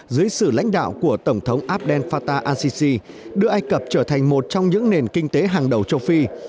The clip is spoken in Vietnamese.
dưới sự lãnh đạo của tổng thống abdel fattah asisi đưa ai cập trở thành một trong những nền kinh tế hàng đầu châu phi